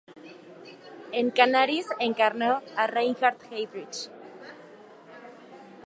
En "Canaris" encarnó a Reinhard Heydrich.